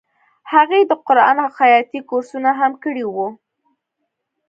هغې د قرآن او خیاطۍ کورسونه هم کړي وو